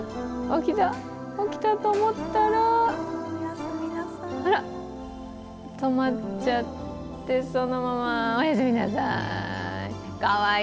起きたと思ったら止まっちゃって、そのままおやすみなさい。